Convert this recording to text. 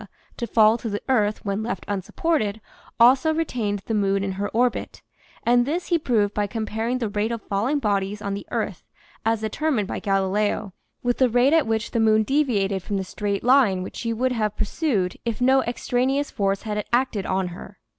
to fall to the earth when left unsupported, also retained the moon in her orbit; and this he proved by comparing the rate of falling bodies on the earth, as determined by Galileo, with the rate at which the moon deviated from the straight line which she would have pursued if no extraneous force had acted on her.